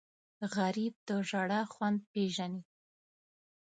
غریب د ژړا خوند پېژني